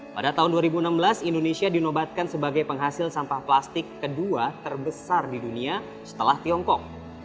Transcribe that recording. pada tahun dua ribu enam belas indonesia dinobatkan sebagai penghasil sampah plastik kedua terbesar di dunia setelah tiongkok